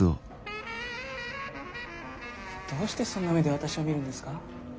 どうしてそんな目で私を見るんですか？